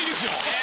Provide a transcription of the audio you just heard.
え？